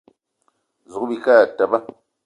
Zouga bike e teba.